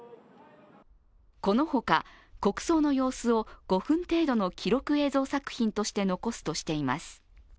このほか、国葬の様子を５分程度の記録映像作品として残すとしています。